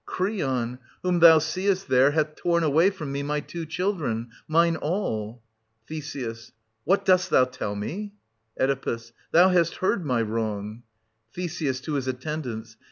Creon, whom thou seest there, hath torn away from me my two children, — mine all. Th. What dost thou tell me? Oe. Thou hast heard my wrong. Th. {to his attendants).